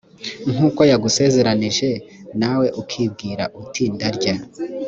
nk’uko yagusezeranije nawe ukibwira uti ndarya